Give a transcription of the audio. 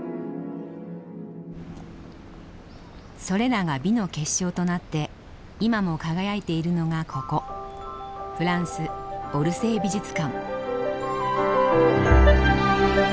それらが美の結晶となって今も輝いているのがここフランスオルセー美術館。